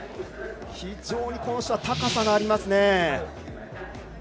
非常にこの人は高さがありますね。